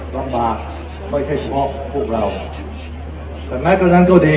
ลำบากไม่ใช่เฉพาะพวกเราแต่แม้เท่านั้นก็ดี